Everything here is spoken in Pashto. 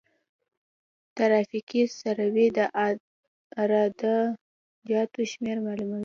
ترافیکي سروې د عراده جاتو شمېر معلوموي